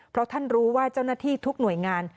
เพราะท่านรู้ว่าเจ้าหน้าที่ทุกหน่วยงาน